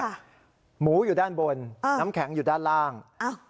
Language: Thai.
หมูอยู่ด้านบนน้ำแข็งอยู่ด้านล่างอ้าว